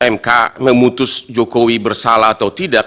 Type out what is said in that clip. mk memutus jokowi bersalah atau tidak